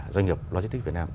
doanh nghiệp lôi stick việt nam